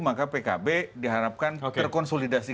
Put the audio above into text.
maka pkb diharapkan terkonsolidasi